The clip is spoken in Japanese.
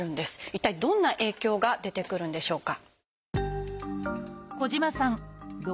一体どんな影響が出てくるんでしょうか。